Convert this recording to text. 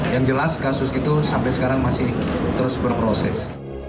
yang jelas kasus itu sampai sekarang masih terus berproses